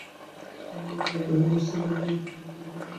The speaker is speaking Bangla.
তিনি একরকম বাধ্য হয়েই দেশত্যাগ করেন ও প্রথমে সুইৎজারল্যান্ডে আশ্রয় নেন।